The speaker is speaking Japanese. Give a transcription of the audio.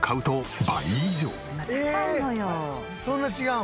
そんな違うん？